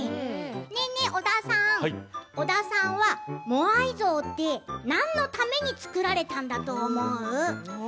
織田さん、織田さんはモアイ像って何のために造られたんだと思う？